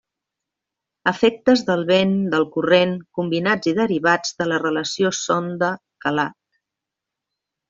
Efectes del vent, del corrent, combinats i derivats de la relació sonda calat.